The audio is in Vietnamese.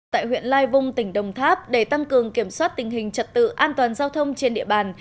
tại huyện lai vung tỉnh đồng tháp để tăng cường kiểm soát tình hình trật tự an toàn giao thông trên địa bàn